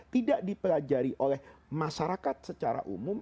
tidak dipelajari oleh masyarakat secara umum